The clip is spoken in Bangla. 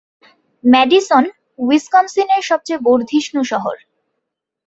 ম্যাডিসন উইসকনসিনের সবচেয়ে বর্ধিষ্ণু শহর।